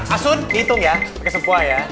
asun dihitung ya pakai sebuah ya